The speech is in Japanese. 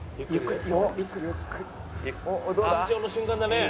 緊張の瞬間だね。